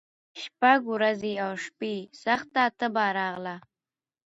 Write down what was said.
شپږ ورځي او شپي سخته تبه راغله